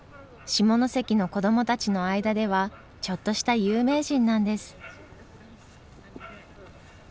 下関の子どもたちの間ではちょっとした有名人なんです。